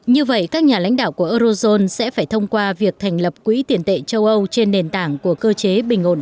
như vậy các nhà lãnh đạo của eurozone sẽ phải thông qua việc thành lập quỹ tiền tệ châu âu trên nền tảng của cơ chế bình ổn